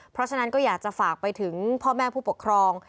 เพราะฉะนั้นก็อยากจะฝากไปถึงพ่อแม่ผู้ปกครอง